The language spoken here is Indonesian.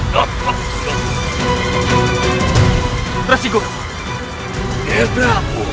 biarkan aku gelpra